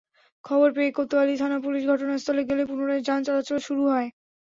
খবর পেয়ে কোতোয়ালি থানা-পুলিশ ঘটনাস্থলে গেলে পুনরায় যান চলাচল শুরু হয়।